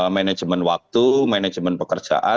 manajemen waktu manajemen pekerjaan